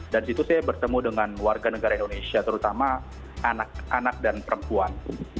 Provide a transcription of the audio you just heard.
dan di situ saya bertemu dengan warga negara indonesia terutama anak dan perempuan